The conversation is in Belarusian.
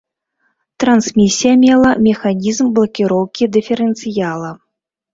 Трансмісія мела механізм блакіроўкі дыферэнцыяла.